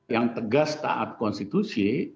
yang tegas taat konstitusi